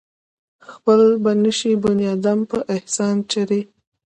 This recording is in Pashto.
خپل به نشي بنيادم پۀ احسان چرې